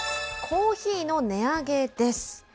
コーヒーの値上げです。